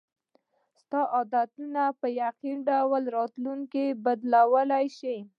ستا عادتونه په یقیني ډول راتلونکی بدلولی شي.